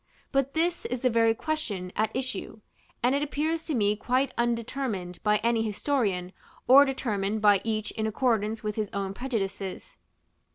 But this is the very question at issue; and it appears to me quite undetermined by any historian, or determined by each in accordance with his own prejudices.